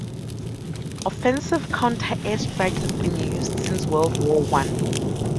Offensive counter-air strikes have been used since World War One.